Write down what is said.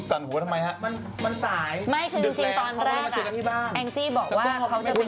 มันสายไม่คือจริงตอนแรกแองจี้บอกว่าเขาจะไปกิน